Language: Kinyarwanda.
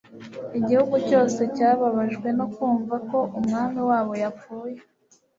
Igihugu cyose cyababajwe no kumva ko umwami wabo yapfuye